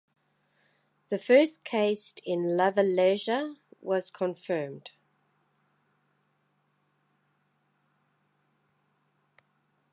The first case in Lavalleja was confirmed.